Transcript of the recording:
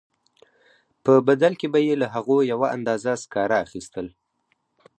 په بدل کې به یې له هغه یوه اندازه سکاره اخیستل